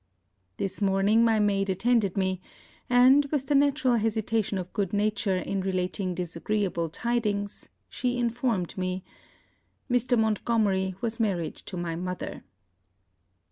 This morning my maid attended me; and, with the natural hesitation of good nature in relating disagreeable tidings, she informed me Mr. Montgomery was married to my mother.